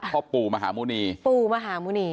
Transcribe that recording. พ่อปู่มหาหมุณีปู่มหาหมุณี